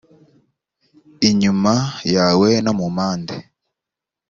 inyuma yawe no mu mpande